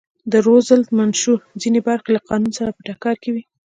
د روزولټ منشور ځینې برخې له قانون سره په ټکر کې وې.